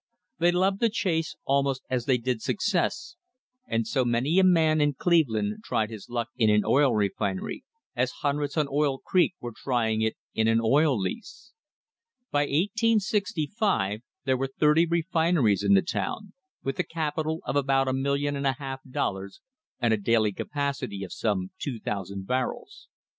They loved the chase almost as they did success, and so many a man in Cleveland tried his luck in an oil refinery, as hundreds on Oil Creek were trying it in an oil lease. By 1865 there were thirty refineries in the town, with a capital of about a million and a half dollars and a daily capacity of some 2,000 barrels.